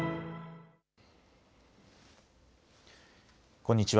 こんにちは。